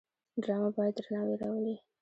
ډرامه باید درناوی راولي